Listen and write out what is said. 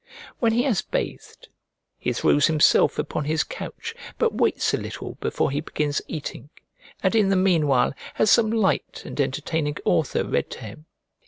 When he has bathed, he throws himself upon his couch, but waits a little before he begins eating, and in the meanwhile has some light and entertaining author read to him.